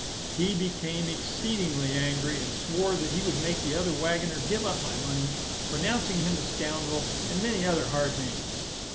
He became exceedingly angry, and swore that he would make the other waggoner give up my money, pronouncing him a scoundrel, and many other hard names.